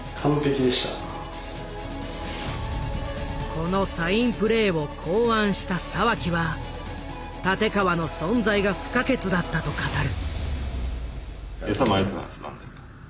このサインプレーを考案した沢木は立川の存在が不可欠だったと語る。